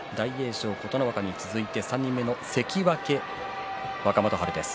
翔、琴ノ若に続いて３人目の関脇若元春です。